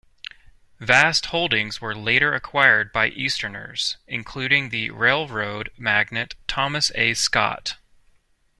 Vast holdings were later acquired by Easterners, including the railroad magnate, Thomas A. Scott.